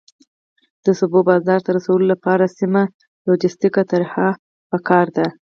د سبو بازار ته رسولو لپاره سمه لوجستیکي طرحه پکار ده.